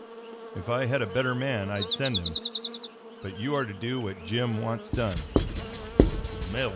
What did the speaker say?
If I had a better man I'd send him, but you are to do what Jim wants done."